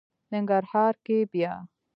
ننګرهار کې بیا...